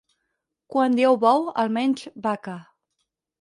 Quan diuen bou, almenys, vaca.